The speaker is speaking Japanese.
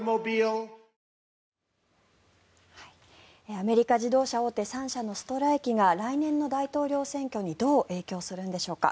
アメリカ自動車大手３社のストライキが来年の大統領選挙にどう影響するんでしょうか。